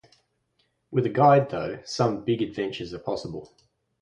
With a guide, though, some big adventures are possible.